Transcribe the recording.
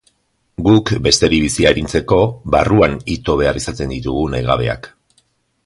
Guk, besteri bizia arintzeko, barruan ito behar izaten ditugu nahigabeak.